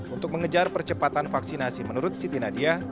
untuk mengejar percepatan vaksinasi menurut siti nadia